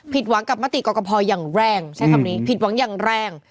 หวังกับมติกรกภอย่างแรงใช้คำนี้ผิดหวังอย่างแรง